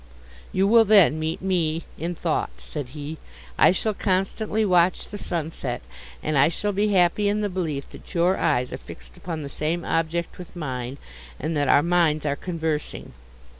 "You will then meet me in thought," said he; "I shall constantly watch the sunset, and I shall be happy in the belief, that your eyes are fixed upon the same object with mine, and that our minds are conversing.